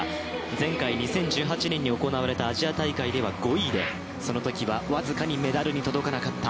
前回、２０１８年に行われたアジア大会では５位でそのときは僅かにメダルに届かなかった。